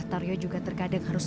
pada hari ini yang diperintahkan